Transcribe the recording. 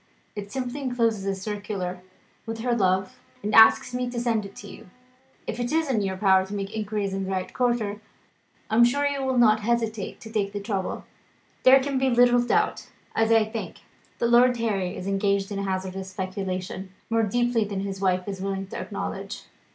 It simply encloses a circular, with her love, and asks me to send it on to you. If it is in your power to make inquiries in the right quarter, I am sure you will not hesitate to take the trouble. There can be little doubt, as I think, that Lord Harry is engaged in a hazardous speculation, more deeply than his wife is willing to acknowledge."